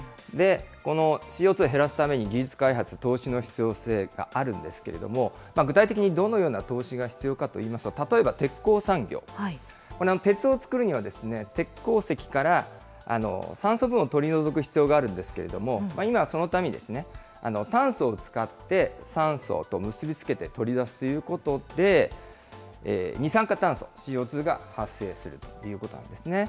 このＣＯ２減らすために、技術開発、投資の必要性があるんですけれども、具体的にどのような投資が必要かといいますと、例えば鉄鋼産業、鉄を作るには、鉄鉱石から酸素分を取り除く必要があるんですけれども、今、そのために炭素を使って酸素と結び付けて取り出すということで、二酸化炭素・ＣＯ２が発生するということなんですね。